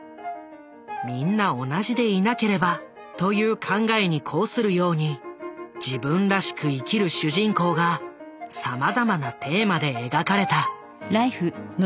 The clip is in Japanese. みんな同じでいなければという考えに抗するように自分らしく生きる主人公がさまざまなテーマで描かれた。